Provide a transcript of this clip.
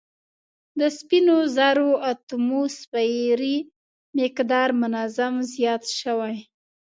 د سپینو زرو اتوموسفیري مقدار منظم زیات شوی